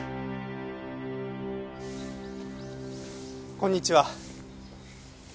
こんにちは。